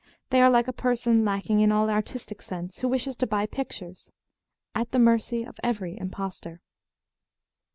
They are like a person lacking in all artistic sense, who wishes to buy pictures at the mercy of every impostor.